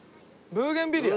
ブーゲンビリア？